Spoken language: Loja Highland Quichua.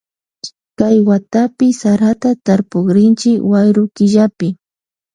Kay watapi sarata tarpukrinchi wayru killapi.